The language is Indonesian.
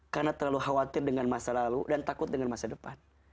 karena terlalu khawatir dengan masa lalu dan takut dengan masa depan